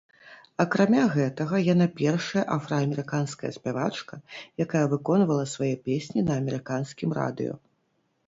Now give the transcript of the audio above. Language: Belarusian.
Акрамя гэтага яна першая афраамерыканская спявачка, якая выконвала свае песні на амерыканскім радыё.